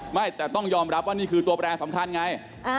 ไม่แต่ต้องยอมรับว่านี่คือตัวแปรสำคัญไง